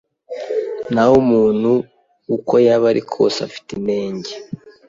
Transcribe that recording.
naho umuntu uko yaba ari kose afite inenge